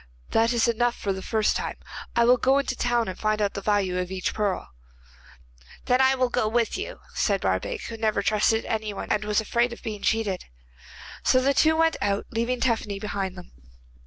'That is enough for the first time. I will go into the town and find out the value of each pearl.' 'Then I will go with you,' said Barbaik, who never trusted anyone and was afraid of being cheated. So the two went out, leaving Tephany behind them.